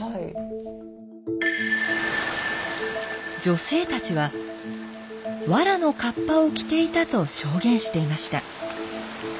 女性たちはわらのカッパを着ていたと証言していました。